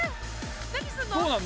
何するの？